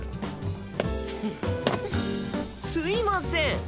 すいません。